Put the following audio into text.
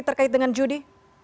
terkait dengan judi